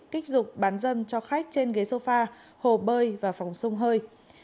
kích dục bán dâm cho khách trên ghế sofa hồ bơi và phòng sông hơi